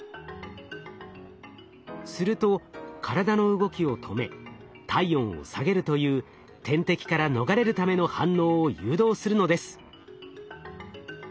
すると体の動きを止め体温を下げるという天敵から逃れるための反応を誘導するのです。